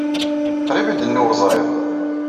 Qrib ay d-tenni Ur ẓriɣ.